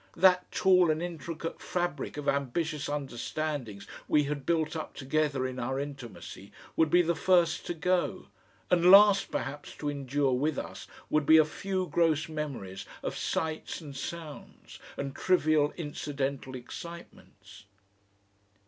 That tall and intricate fabric of ambitious understandings we had built up together in our intimacy would be the first to go; and last perhaps to endure with us would be a few gross memories of sights and sounds, and trivial incidental excitements....